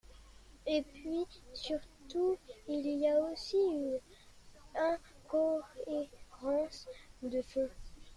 Et puis surtout, il y a aussi une incohérence de fond.